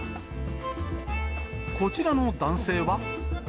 こちらの男性は。